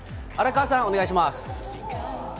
荒川さん、お願いします。